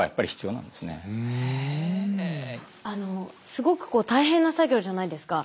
すごく大変な作業じゃないですか。